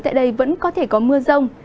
tại đây vẫn có thể có mưa rông